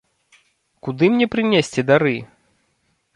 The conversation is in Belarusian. Куды мне прынесці дары?